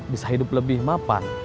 bisa hidup lebih mapan